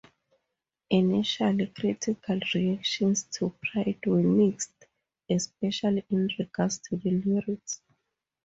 Initial critical reactions to "Pride" were mixed, especially in regards to the lyrics.